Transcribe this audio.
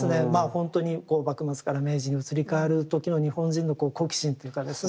ほんとに幕末から明治に移り変わる時の日本人のこう好奇心というかですね。